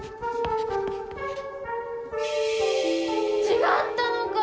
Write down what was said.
違ったのか！